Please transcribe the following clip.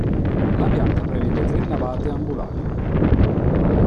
La pianta prevede tre navate e ambulacro.